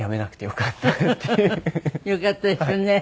よかったですよね。